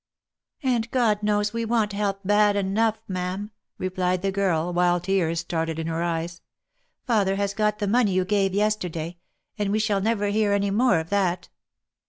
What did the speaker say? " And God knows we want help bad enough, ma'am," replied the girl, while tears started to her eyes. " Father has got the money you gave yesterday, and we shall never hear any more of that."